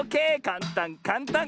かんたんかんたん。